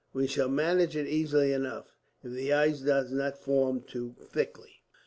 We shall manage it easily enough, if the ice does not form too thickly.